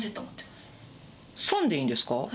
３でいいんですか？